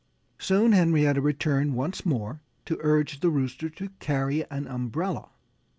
Soon Henrietta returned once more to urge the Rooster to carry an umbrella.